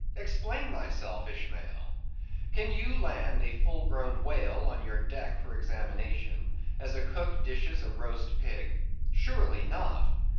Explain thyself, Ishmael. Can you land a full grown whale on your deck for examination, as a cook dishes a roast pig? Surely not.